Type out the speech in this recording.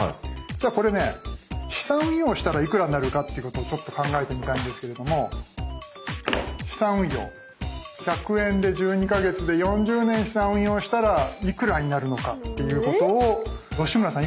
じゃあこれね資産運用したらいくらになるかっていうことをちょっと考えてみたいんですけれども資産運用１００円で１２か月で４０年資産運用したらいくらになるのかっていうことを吉村さん